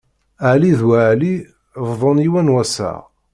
Ɛli d Weɛli bḍan yiwen wassaɣ.